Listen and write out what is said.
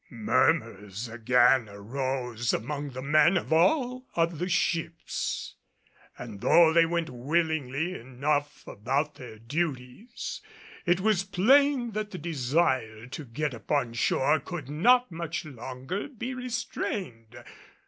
Murmurs again arose among the men of all of the ships; and though they went willingly enough about their duties, it was plain that the desire to get upon shore could not much longer be restrained.